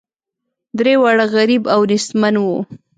درې واړه غریب او نیستمن وه.